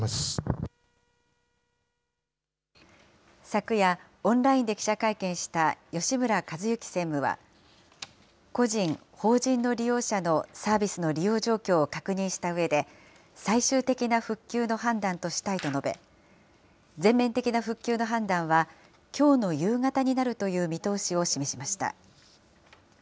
昨夜、オンラインで記者会見した吉村和幸専務は、個人・法人の利用者のサービスの利用状況を確認したうえで、最終的な復旧の判断としたいと述べ、全面的な復旧の判断は、きょうの夕方になるという見通しを示しました。